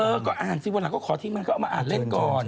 เออก็อ่านสิวันหลังก็ขอทีมงานก็เอามาอ่านเล่นก่อน